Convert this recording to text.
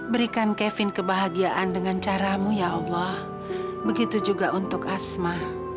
berikan kevin kebahagiaan dengan caramu ya allah begitu juga untuk asma